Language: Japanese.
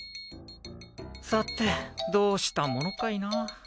さてどうしたものかいな。